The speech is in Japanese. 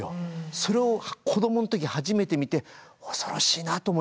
それを子どもの時初めて見て恐ろしいなと思いましたね。